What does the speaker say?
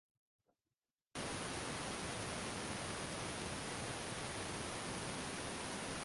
কোর্টে অবস্থান করে বুদ্ধিমত্তা প্রয়োগে পয়েন্ট সংগ্রহের জন্য পরিচিত হয়ে আছেন।